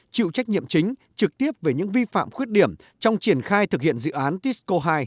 chịu trách nhiệm chính trực tiếp về những vi phạm khuyết điểm trong triển khai thực hiện dự án tisco hai